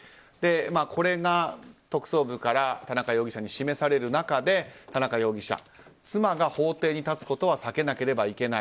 これが特捜部から田中容疑者に示される中で田中容疑者妻が法廷に立つことは避けなければいけない。